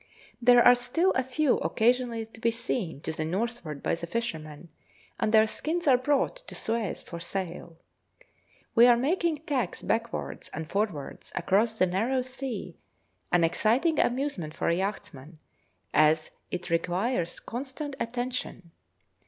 There are still a few occasionally to be seen to the northward by the fishermen, and their skins are brought to Suez for sale. We are making tacks backwards and forwards across the narrow sea, an exciting amusement for a yachtsman, as it requires constant attention.